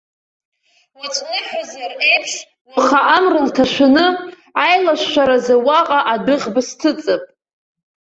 Уаҵә ныҳәазар еиԥш, уаха амра лҭашәаны, ааилашәшәразы уаҟа адәыӷба сҭыҵп.